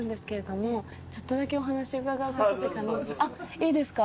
いいですか？